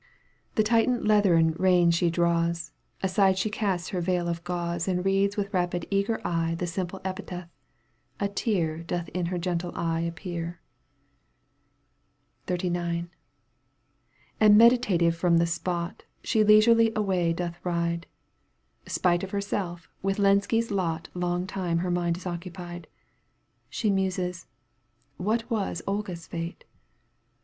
canto vi. The tightened leathern rein she draws, Aside she casts her veil of gauze And reads with rapid eager eye The simple epitaph — a tear Doth in her gentle eye appear. XXXIX. And meditative from the spot She leisurely away doth ride, Spite of herseK with Lenski's lot Longtime her mind is occupied. She muses :" What was Olga's fate